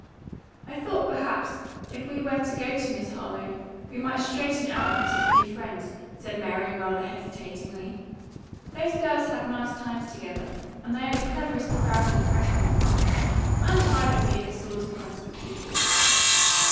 "I thought, perhaps, if we were to go to Miss Harlowe, we might straighten out matters and be friends," said Mary rather hesitatingly. "Those girls have nice times together, and they are the cleverest crowd in the freshman class. I'm tired of being at sword's points with people."